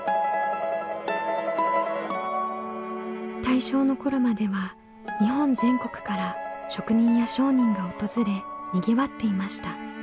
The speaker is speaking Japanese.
大正の頃までは日本全国から職人や商人が訪れにぎわっていました。